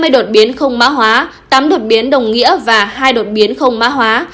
năm mươi đột biến không má hóa tám đột biến đồng nghĩa và hai đột biến không má hóa